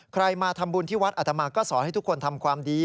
มาทำบุญที่วัดอัตมาก็สอนให้ทุกคนทำความดี